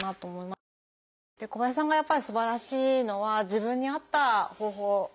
小林さんがやっぱりすばらしいのは自分に合った方法